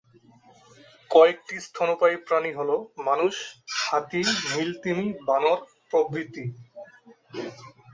কয়েকটি স্তন্যপায়ী প্রাণী হল মানুষ, হাতি, নীল তিমি, বানর প্রভৃতি।